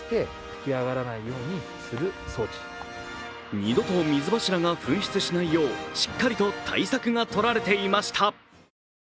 二度と水柱が噴出しないよう、しっかりと対策が取られていました。